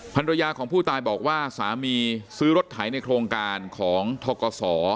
ภรรยาของผู้ตายบอกว่าสามีซื้อรถไถในโครงการของทกศ